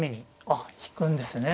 あっ引くんですね。